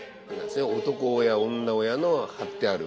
男親女親のを張ってある。